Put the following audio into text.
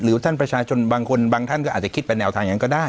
ท่านประชาชนบางคนบางท่านก็อาจจะคิดเป็นแนวทางอย่างนั้นก็ได้